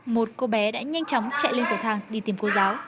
một cô bé đã nhanh chóng chạy lên cầu thang đi tìm cô giáo